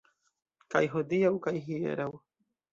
Kaj hodiaŭ kaj hieraŭ.